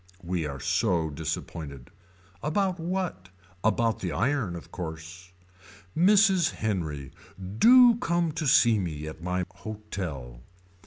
We are so disappointed. About what. About the iron of course. Mrs. Henry. Do come to see me at my hotel.